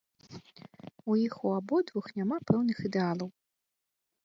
У іх у абодвух няма пэўных ідэалаў.